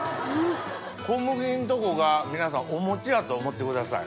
小麦のとこが皆さんお餅やと思ってください。